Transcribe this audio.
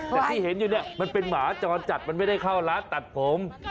แต่ที่เห็นอยู่เนี่ยมันเป็นหมาจรจัดมันไม่ได้เข้าร้านตัดผม